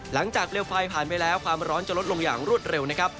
เปลวไฟผ่านไปแล้วความร้อนจะลดลงอย่างรวดเร็วนะครับ